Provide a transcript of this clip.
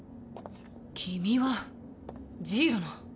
君はジイロの。